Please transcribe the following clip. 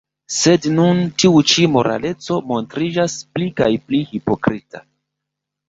Sed nun tiu ĉi moraleco montriĝas pli kaj pli hipokrita.